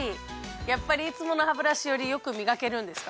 やっぱりいつものハブラシより良くみがけるんですか？